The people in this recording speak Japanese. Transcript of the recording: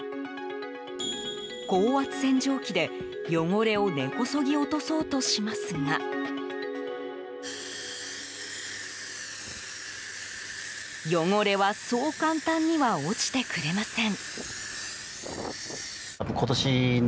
高圧洗浄機で汚れを根こそぎ落とそうとしますが汚れは、そう簡単には落ちてくれません。